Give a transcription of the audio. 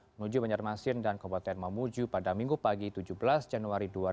menuju banjarmasin dan kabupaten mamuju pada minggu pagi tujuh belas januari dua ribu dua puluh